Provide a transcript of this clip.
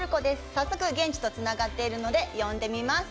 早速現地とつながっているので呼んでみます。